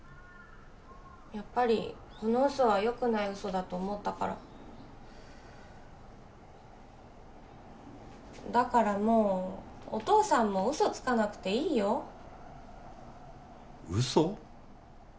やっぱりこの嘘はよくない嘘だと思ったからだからもうお父さんも嘘つかなくていいよ嘘？